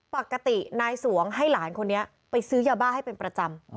ปกตินายสวงให้หลานคนนี้ไปซื้อยาบ้าให้เป็นประจำ